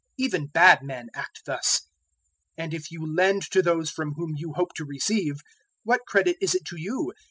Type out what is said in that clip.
Even bad men act thus. 006:034 And if you lend to those from whom you hope to receive, what credit is it to you?